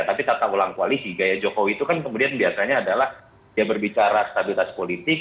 tapi tata ulang koalisi gaya jokowi itu kan kemudian biasanya adalah ya berbicara stabilitas politik